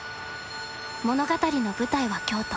物語の舞台は京都。